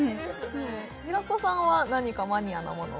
うん平子さんは何かマニアなもの